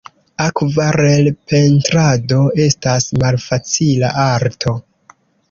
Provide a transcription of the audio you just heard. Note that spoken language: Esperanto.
Akvarelpentrado estas malfacila arto.